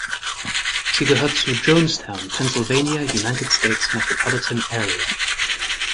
Sie gehört zur Johnstown, Pennsylvania United States Metropolitan Area.